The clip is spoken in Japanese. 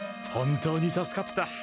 本当に助かった。